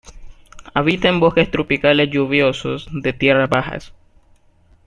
Habita en bosques tropicales lluviosos de tierras bajas.